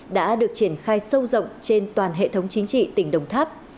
đã được triển khai sâu rộng trên toàn hệ thống chính trị tỉnh đồng tháp